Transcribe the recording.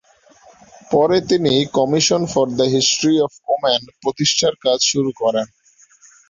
পরে তিনি "commission for the history of woman" প্রতিষ্ঠার কাজ শুরু করেন।